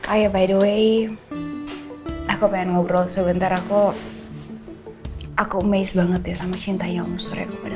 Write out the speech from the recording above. ayo by the way aku pengen ngobrol sebentar aku aku amaze banget ya sama cinta yang sore